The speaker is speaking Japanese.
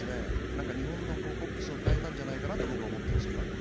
何か日本のポップスを変えたんじゃないかなと僕は思ってるんですけどね。